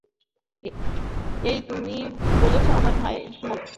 এই, তুমি বলেছ আমার ভাই মেনে নেওয়ার পর আমাকে বলবে।